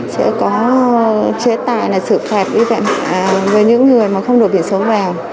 sẽ có chế tài là sự phạt với những người mà không đổi biển số vàng